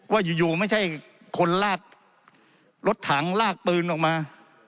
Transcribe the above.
ว่าอยู่ไม่ใช่คนลากรถถังลากปืนออกมา